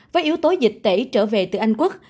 với yếu tố dịch tễ trở về từ anh quốc